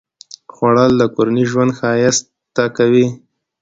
خوړل د کورنۍ ژوند ښایسته کوي